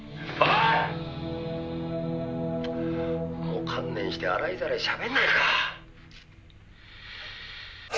「もう観念して洗いざらいしゃべんないか？」